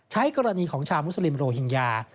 กรณีของชาวมุสลิมโรฮิงญา